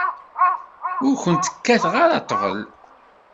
Ur kent-kkateɣ ara ṭṭbel.